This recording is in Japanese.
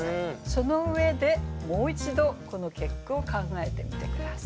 その上でもう一度この結句を考えてみて下さい。